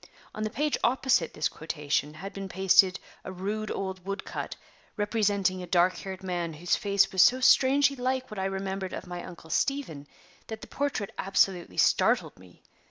On the page opposite this quotation had been pasted a rude old wood cut, representing a dark haired man, whose face was so strangely like what I remembered of my Uncle Stephen that the portrait absolutely startled me.